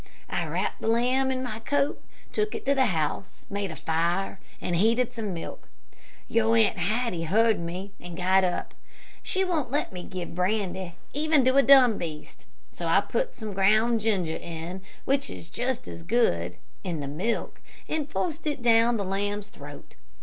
I wrapped the lamb in my coat, took it to the house, made a fire, and heated some milk. Your Aunt Hattie heard me and got up. She won't let me give brandy even to a dumb beast, so I put some ground ginger, which is just as good, in the milk, and forced it down the lamb's throat.